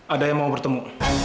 ada yang mau bertemu